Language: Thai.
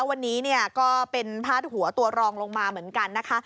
วันนี้ก็เป็นพาดหัวตัวรองลงมาเหมือนกันนะคะ